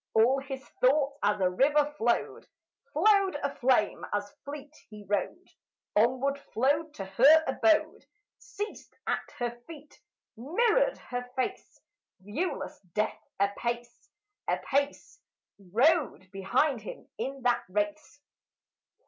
All his thoughts as a river flowed, Flowed aflame as fleet he rode, Onward flowed to her abode, Ceased at her feet, mirrored her face. (Viewless Death apace, apace, Rode behind him in that race.)